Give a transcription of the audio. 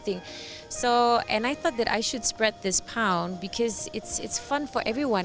dan saya pikir saya harus menyebarkan pound ini karena itu menyenangkan untuk semua orang